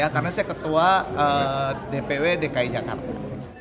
karena saya ketua dpw dki jakarta